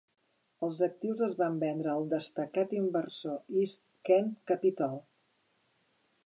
Els actius es van vendre al destacat inversor East Kent Capitol.